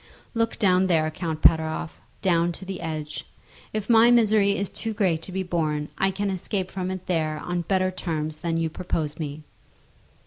"Look down there, Count Pateroff; down to the edge. If my misery is too great to be borne, I can escape from it there on better terms than you propose to me."